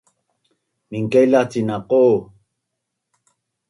minqelasin na qo